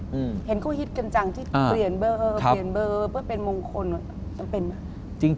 ทุกคนก็ฮิตกันจังที่เปลี่ยนเบอร์เพื่อเป็นมงคลต้องเป็นน่ะ